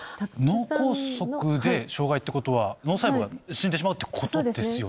脳梗塞で障がいってことは、脳細胞が死んでしまうっていうことですよね。